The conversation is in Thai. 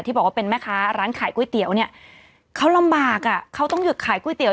บอกว่าเป็นแม่ค้าร้านขายก๋วยเตี๋ยวเนี่ยเขาลำบากอ่ะเขาต้องหยุดขายก๋วยเตี๋ย